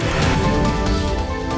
apa bahasa yang kira kira